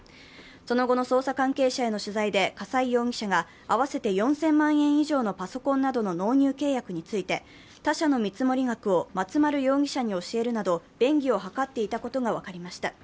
その後の捜査関係者への取材で笠井容疑者が合わせて４０００万円以上のパソコンなどの納入契約について、他社の見積額を松丸容疑者に教えるなど便宜を図っていたことが分かりました。